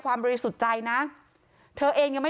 ความปลอดภัยของนายอภิรักษ์และครอบครัวด้วยซ้ำ